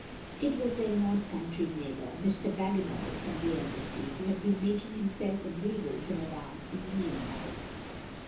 It was their north country neighbour, Mr. Bagginal from the Embassy, who had been making himself agreeable to Madame in the meanwhile.